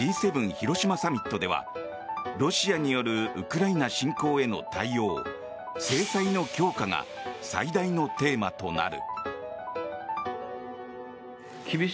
広島サミットではロシアによるウクライナ侵攻への対応制裁の強化が最大のテーマとなる。